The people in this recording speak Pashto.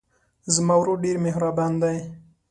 زما ورور ډېر مهربان دی.